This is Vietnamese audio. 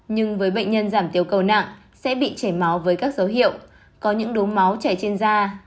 nhưng với bệnh nhân giảm tiêu cầu nặng sẽ bị chảy máu với các dấu hiệu có những đốm máu chảy trên da